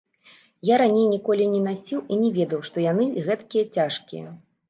Я раней ніколі не насіў і не ведаў, што яны гэткія цяжкія.